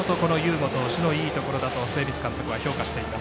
吾投手のいいところだと末光監督は評価しています。